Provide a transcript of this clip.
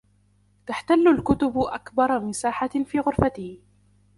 تحتل الكتب أكبر مساحة في غرفته.